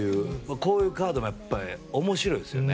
こういうカードが面白いですよね